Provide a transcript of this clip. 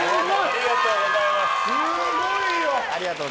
ありがとうございます。